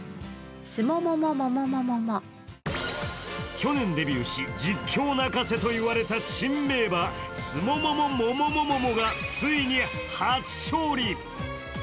去年デビューし実況泣かせといわれた珍名場、スモモモモモモモモがついに初勝利。